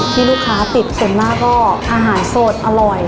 ที่ลูกค้าติดส่วนมากก็อาหารสดอร่อย